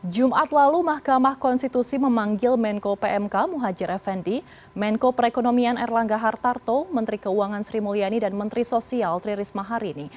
jumat lalu mahkamah konstitusi memanggil menko pmk muhajir effendi menko perekonomian erlangga hartarto menteri keuangan sri mulyani dan menteri sosial tri risma hari ini